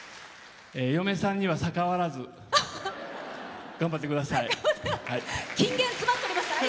嫁さんには逆らわず頑張ってください。